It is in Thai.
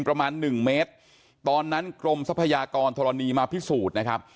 ประมาณหนึ่งเมตรตอนนั้นกรมทรัพยากรธรณีมาพิสูจน์นะครับ